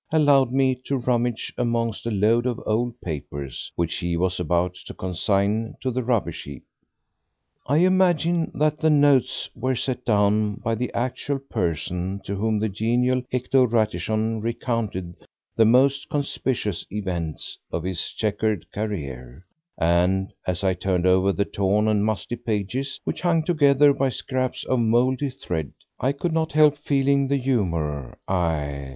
allowed me to rummage amongst a load of old papers which he was about to consign to the rubbish heap. I imagine that the notes were set down by the actual person to whom the genial Hector Ratichon recounted the most conspicuous events of his chequered career, and as I turned over the torn and musty pages, which hung together by scraps of mouldy thread, I could not help feeling the humour—aye!